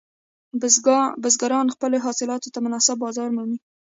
بزګران خپلو حاصلاتو ته مناسب بازار مومي.